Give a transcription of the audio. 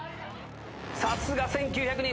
さすが１，９００人。